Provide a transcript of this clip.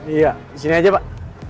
iya disini aja pak